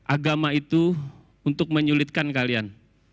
agama itu untuk menyulitkan kalian